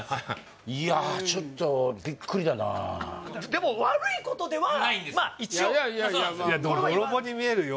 いやちょっとビックリだなでも悪いことではないんですいやいやまあまあ泥棒に見えるよ